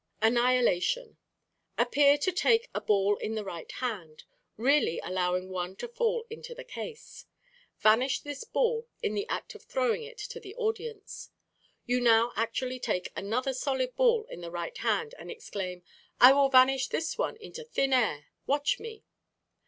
Annihilation.—Appear to take a ball in the right hand, really allowing one to fall into the case. Vanish this ball in the act of throwing it to the audience. You now actually take another solid ball in the right hand and exclaim, "I will vanish this one into thin air. Watch me."